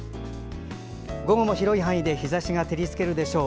午後も広い範囲で日ざしが照りつけるでしょう。